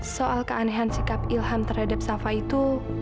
soal keanehan sikap ilham terhadap safa itu